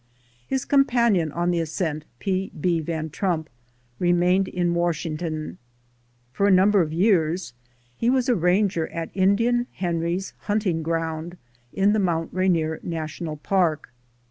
His companion on the ascent, P. B. Van Trump, remained in Washington. For a number of years he was a ranger at Indian Henry's Hunting Ground in the Mount Rainier National Park.